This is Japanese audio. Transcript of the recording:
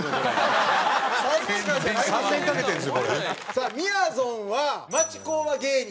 さあみやぞんは町工場芸人やりました。